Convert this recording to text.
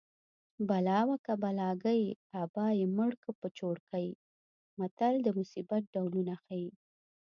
بلا وه که بلاګۍ ابا یې مړکه په چوړکۍ متل د مصیبت ډولونه ښيي